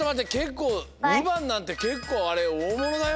２ばんなんてけっこうあれおおものだよ。